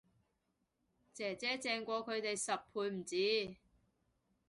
姐姐正過佢哋十倍唔止